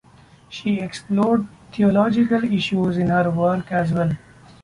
She explored theological issues in her work as well.